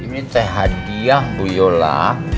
ini saya hadiah bu iola